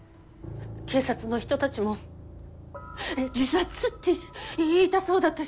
警察の人たちも自殺って言いたそうだったし。